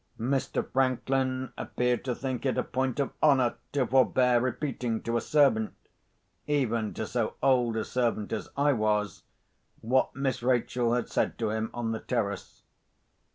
Mr. Franklin appeared to think it a point of honour to forbear repeating to a servant—even to so old a servant as I was—what Miss Rachel had said to him on the terrace.